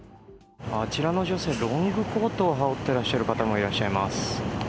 あちらの女性、ロングコートを羽織ってらっしゃる方もいらっしゃいます。